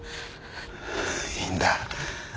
いいんだ。